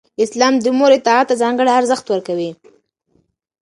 اسلام د مور اطاعت ته ځانګړی ارزښت ورکوي.